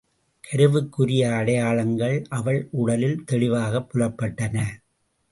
கருவுக்குரிய அடையாளங்கள் அவள் உடலில் தெளிவாகப் புலப்பட்டன.